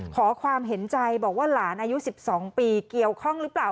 ขอความเห็นใจบอกว่าหลานอายุ๑๒ปีเกี่ยวข้องหรือเปล่า